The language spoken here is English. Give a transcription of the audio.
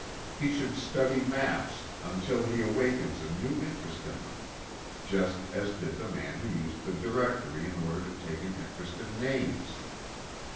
He should study maps, until he awakens a new interest in them, just as did the man who used the directory in order to take an interest in names.